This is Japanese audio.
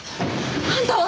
あんたは？